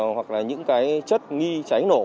hoặc là những chất nghi cháy nổ